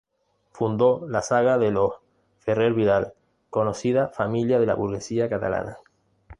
Fundó la saga de los "Ferrer-Vidal", conocida familia de la burguesía catalana.